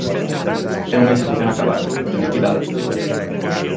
É unha institución acabada, liquidada.